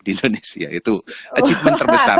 di indonesia itu achievement terbesar